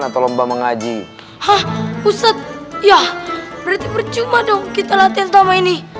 atau lomba mengaji hah pusat ya berarti percuma dong kita latihan sama ini